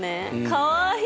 かわいい！